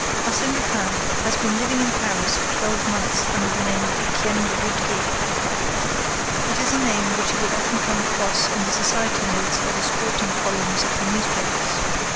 Arsène Lupin has been living in Paris for twelve months under the name of Étienne de Vaudreix. It is a name which you will often come across in the society notes or the sporting columns of the newspapers.